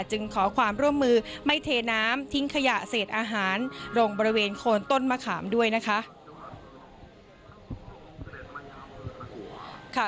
จึงขอความร่วมมือไม่เทน้ำทิ้งขยะเศษอาหารลงบริเวณโคนต้นมะขามด้วยนะคะ